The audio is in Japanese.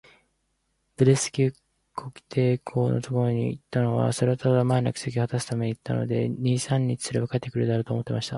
ブレフスキュ国皇帝のところへ行ったのは、それはただ、前の約束をはたすために行ったので、二三日すれば帰って来るだろう、と思っていました。